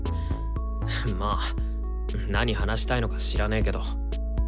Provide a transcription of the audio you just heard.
まあなに話したいのか知らねけど。